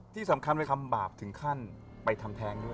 ที่สำคัญเป็นคำบาปถึงขั้นไปทำแท้งด้วย